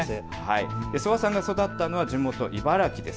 諏訪さんが育ったのは地元、茨城です。